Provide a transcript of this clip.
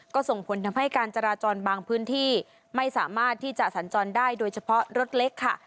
ก็ส่งผลทำให้การจราจรบางพื้นที่ไม่สามารถที่จะสัญจรได้โดยเฉพาะรถเล็กค่ะ